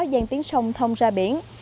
liên tiến sông thông ra biển